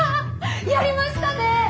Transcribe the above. やりましたね！